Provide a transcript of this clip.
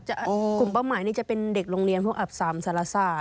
กลุ่มเป้าหมายนี่จะเป็นเด็กโรงเรียนพวกอับสามสารศาสต